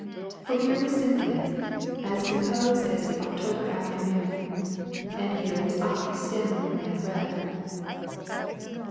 For here was Cynthia, as composed as the October afternoon, and here was I stammering and red.